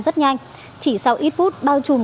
rất nhanh chỉ sau ít phút bao trùm